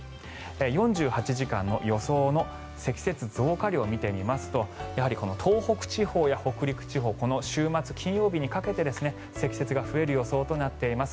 ４８時間の予想の積雪増加量を見てみますとやはり東北地方や北陸地方週末金曜日にかけて積雪が増える予想となっています。